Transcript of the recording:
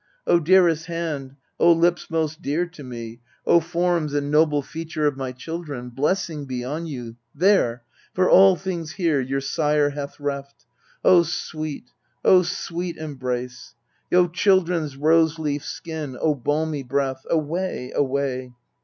O dearest hand, O. lips most dear to me, O form and noble feature of my children, Blessing be on you there ! for all things here Your sire hath reft. O sweet, O sweet embrace! O children's rose leaf skin, O balmy breath ! Away, away